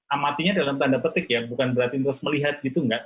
amatinya dalam tanda petik ya bukan berarti terus melihat gitu enggak